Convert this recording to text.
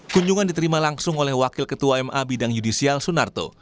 kunjungan diterima langsung oleh wakil ketua ma bidang judisial sunarto